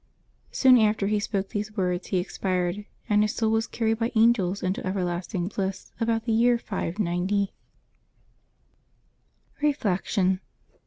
'' Soon after he spoke these words he expired, and his soul was carried by angels into everlasting bliss, about the year 590. Reflection.